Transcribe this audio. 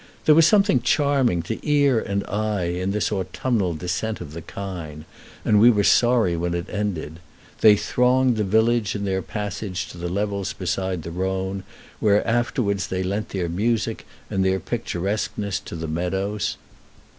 There was something charming to ear and eye in this autumnal descent of the kine, and we were sorry when it ended. They thronged the village in their passage to the levels beside the Rhone, where afterwards they lent their music and their picturesqueness to the meadows.